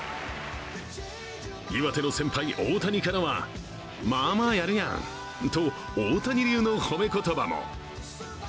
岩手の先輩・大谷からはまあまあやるやんと、大谷流の褒め言葉も。